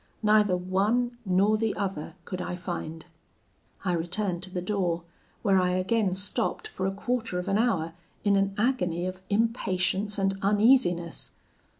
Neither one nor the other could I find. I returned to the door, where I again stopped for a quarter of an hour, in an agony of impatience and uneasiness.